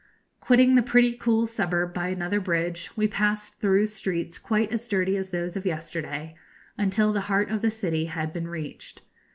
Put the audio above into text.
Quitting the pretty cool suburb by another bridge, we passed through streets quite as dirty as those of yesterday, until the heart of the city had been reached.